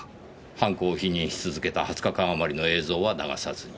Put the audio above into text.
犯行を否認し続けた２０日間あまりの映像は流さずに。